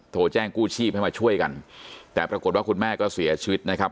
โทรแจ้งกู้ชีพให้มาช่วยกันแต่ปรากฏว่าคุณแม่ก็เสียชีวิตนะครับ